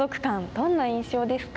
どんな印象ですか？